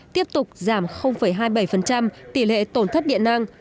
tiếp tục giảm hai mươi bảy tỷ lệ tổn thất điện năng